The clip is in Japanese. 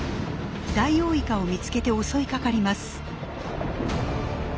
ダイオウイカを見つけて襲いかかります。